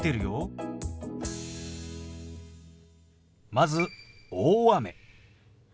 まず「大雨」。